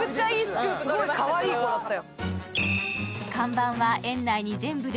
すごいかわいいと思ったよ。